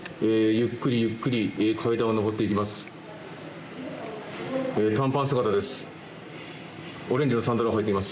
ゆっくりゆっくり階段を上っていきます。